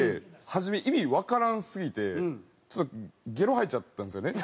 初め意味わからんすぎてちょっとゲロ吐いちゃったんですよね。